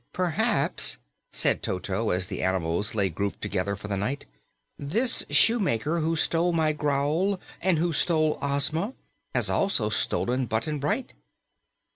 "Perhaps," said Toto as the animals lay grouped together for the night, "this Shoemaker who stole my growl and who stole Ozma has also stolen Button Bright."